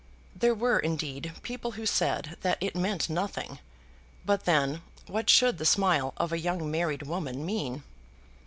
There were, indeed, people who said that it meant nothing; but then, what should the smile of a young married woman mean?